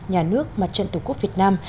nhà nước mặt trận tổ quốc việt nam